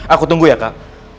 aku tunggu ya kak